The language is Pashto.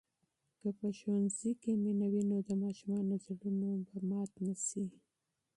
که په ښوونځي کې مینه وي، نو د ماشومانو زړونه مات نه سي.